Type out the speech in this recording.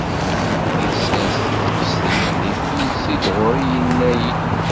Isers timeqstin-nni, yezzid ɣur-i, yenna-yid: